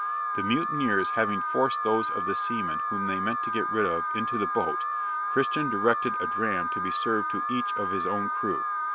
'The mutineers having forced those of the seamen whom they meant to get rid of into the boat, Christian directed a dram to be served to each of his own crew.